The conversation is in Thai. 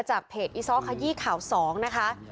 จากเพจอิซอสค่ะยี่ข่าว๒นะคะ